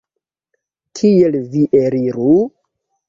Kiel vi eliru?